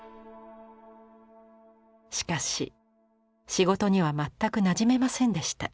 しかし仕事には全くなじめませんでした。